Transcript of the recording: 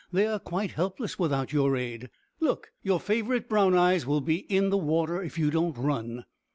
They are quite helpless without your aid. Look! your favourite Brown eyes will be in the water if you don't run."